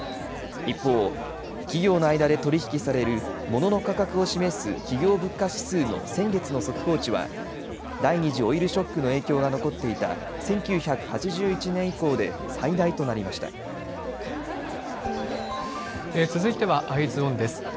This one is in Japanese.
一方、企業の間で取り引きされるものの価格を示す企業物価指数の先月の速報値は、第２次オイルショックの影響が残っていた１９８１年以降で最大と続いては、Ｅｙｅｓｏｎです。